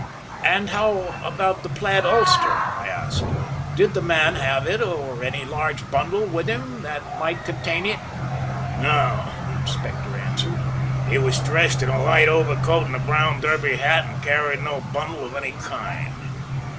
"And how about the plaid ulster," I asked; "did the man have it or any large bundle with him that might contain it?" "No," the Inspector answered, "he was dressed in a light overcoat and a brown derby hat, and carried no bundle of any kind."